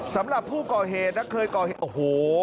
สำหรับผู้ก่อเหตุนะเคยก่อเหตุโอ้โห